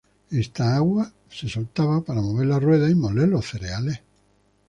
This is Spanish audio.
Esta agua se soltaba para mover las ruedas y moler los cereales.